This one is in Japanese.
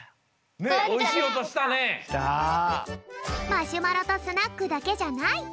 マシュマロとスナックだけじゃないざんしんな